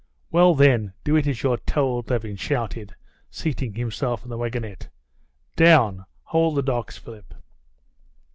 "Well, then, do it as you're told," Levin shouted, seating himself in the wagonette. "Down! Hold the dogs, Philip!"